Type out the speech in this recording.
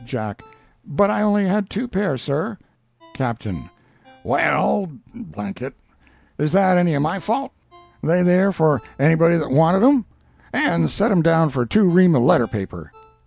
Jack—"But I only had two pair, sir." Captain—"Well,—it, is that any o' my fault? they there for anybody that wanted 'em? And set him down for two ream of letter paper."